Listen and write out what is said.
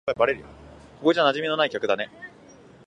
ここじゃ馴染みのない客だね。